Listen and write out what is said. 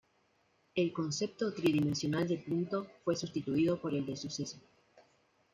El concepto tridimensional de punto fue sustituido por el de suceso.